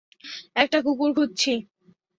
একটা কুকুর খুঁজছি।